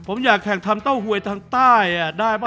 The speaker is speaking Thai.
ผมอยากแข่งทำเต้าหวยทางใต้ได้ป่ะ